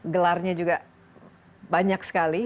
gelarnya juga banyak sekali